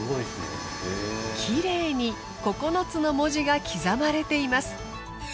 きれいに９つの文字が刻まれています。